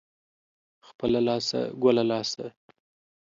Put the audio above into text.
خپله لاسه ، گله لاسه.